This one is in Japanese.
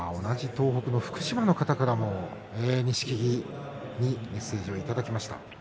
東北、福島の方からもメッセージをいただきました。